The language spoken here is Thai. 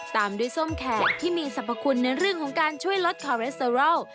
ตามด้วยส้มแขกที่มีสรรพคุณในเรื่องของการช่วยลดคอเรสเตอรอล